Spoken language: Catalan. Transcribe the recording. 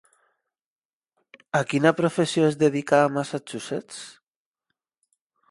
A quina professió es dedica a Massachusetts?